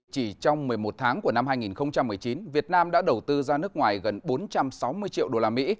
chỉ trong một mươi một tháng của năm hai nghìn một mươi chín việt nam đã đầu tư ra nước ngoài gần bốn trăm sáu mươi triệu đô la mỹ